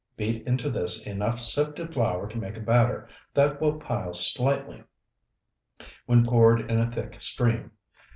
Beat into this enough sifted flour to make a batter that will pile slightly when poured in a thick stream.